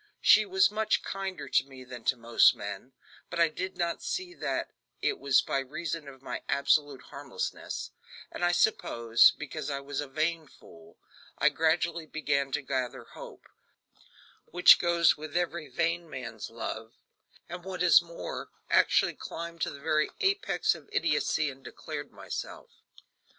She was much kinder to me than to most men, but I did not see that it was by reason of my absolute harmlessness; and, I suppose, because I was a vain fool, I gradually began to gather hope which goes with every vain man's love and what is more, actually climbed to the very apex of idiocy and declared myself.